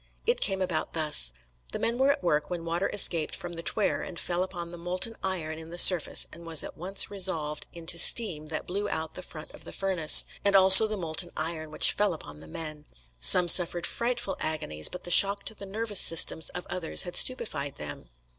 It came about thus: The men were at work when water escaped from the "twyer" and fell upon the molten iron in the furnace and was at once resolved into steam that blew out the front of the furnace, and also the molten iron, which fell upon the men. Some suffered frightful agonies, but the shock to the nervous systems of others had stupefied them.